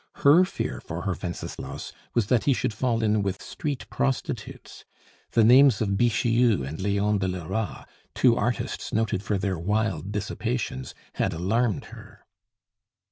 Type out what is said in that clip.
Her fear for her Wenceslas was that he should fall in with street prostitutes. The names of Bixiou and Leon de Lora, two artists noted for their wild dissipations, had alarmed her.